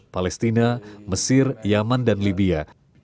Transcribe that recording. palestina mesir yaman dan libya